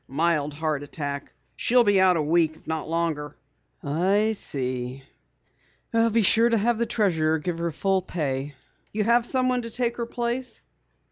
"A mild heart attack. She'll be out a week, if not longer." "I see. Be sure to have the treasurer give her full pay. You have someone to take her place?"